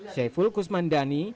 syekh fulkus mandani